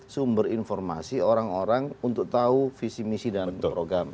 sumber informasi orang orang untuk tahu visi misi dan program